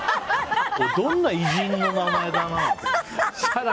どんな偉人の名前だって。